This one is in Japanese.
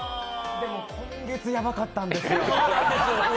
でも今月やばかったんですよ。